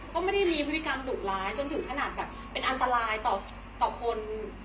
ก็ไม่ได้มีพฤติกรรมดุร้ายจนถึงขนาดแบบเป็นอันตรายต่อคน